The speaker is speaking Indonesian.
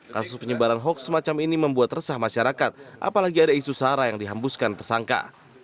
kasus penyebaran hoax semacam ini membuat resah masyarakat apalagi ada isu sara yang dihambuskan tersangka